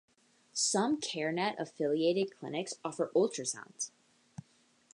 Some Care Net affiliated clinics offer ultrasounds.